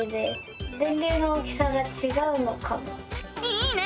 いいね！